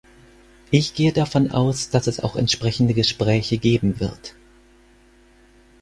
Ich gehe davon aus, dass es auch entsprechende Gespräche geben wird.